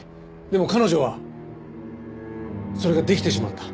でも彼女はそれができてしまった。